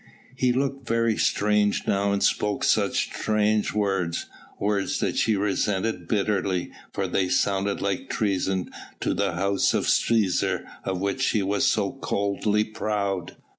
He looked very strange now and spoke such strange words words that she resented bitterly, for they sounded like treason to the House of Cæsar of which she was so coldly proud.